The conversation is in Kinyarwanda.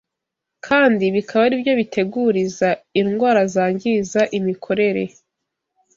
kandi bikaba ari byo biteguriza indwara zangiza imikorere